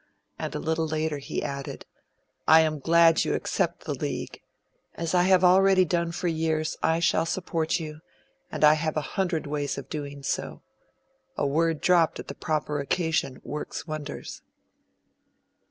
And a little later he added, 'I am glad you accept the league. As I have already done for years, I shall support you, and I have a hundred ways of doing so. A word dropped at the proper occasion works wonders.'